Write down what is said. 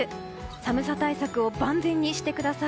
寒さ対策を万全にしてください。